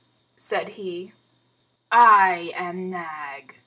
said he. "I am Nag.